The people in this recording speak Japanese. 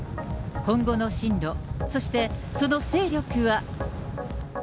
今後の進路、そしてその勢力は？